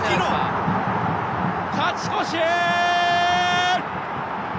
勝ち越し！